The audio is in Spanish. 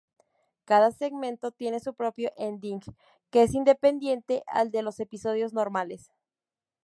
Cada segmento tiene su propio ending, que es independiente al de los episodios normales.